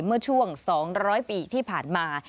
เมื่อช่วง๒๐๐ปีที่ผ่านมา